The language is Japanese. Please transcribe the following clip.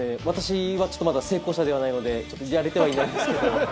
私は、ちょっと、まだ成功者ではないのでちょっとやれてはいないんですけど。